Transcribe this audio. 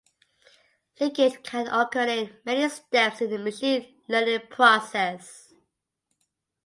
Leakage can occur in many steps in the machine learning process.